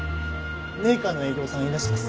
メーカーの営業さんいらしてます